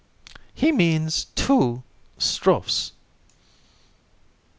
He means two strophes.